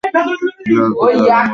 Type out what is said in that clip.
বিড়াল তো বিড়ালের মতো বড়ই হবে।